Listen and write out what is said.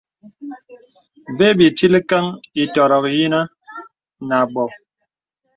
Və bì tilkəŋ ìtɔ̄rɔ̀k yinə̀ nə à bɔ̀.